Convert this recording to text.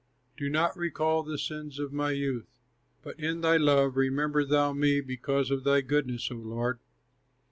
Do not recall the sins of my youth, But in thy love remember thou me, Because of thy goodness, O Lord.